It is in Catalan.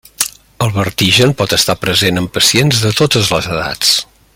El vertigen pot estar present en pacients de totes les edats.